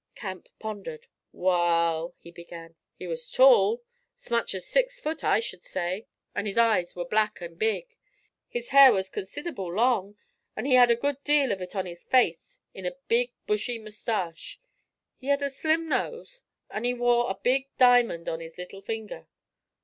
Camp pondered. 'Wal,' he began, 'he was tall, 's much as six foot, I should say, an' his eyes were black an' big. His hair was consid'able long, and he had a good deal of it on his face in a big bushy moustache. He had a slim nose and he wore a big di'mond on his little finger.'